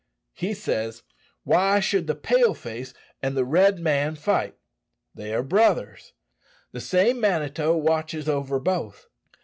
He says, Why should the Pale face and the Red man fight? They are brothers. The same Manitou[*] watches over both.